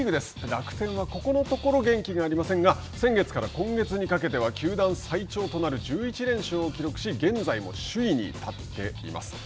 楽天はここのところ元気がありませんが先月から今月にかけて球団最長となる１１連勝を記録し現在も首位に立っています。